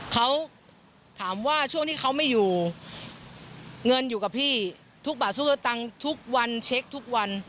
เขาถามว่าช่วงที่เขาไม่อยู่เงินอยู่กับพี่ทุกบาททุกสตังค์ทุกวันเช็คทุกวัน